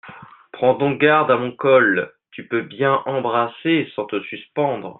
Prends donc garde à mon col… tu peux bien embrasser sans te suspendre…